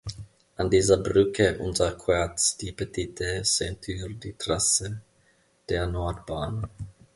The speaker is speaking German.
An dieser Brücke unterquert die Petite Ceinture die Trasse der Nordbahn.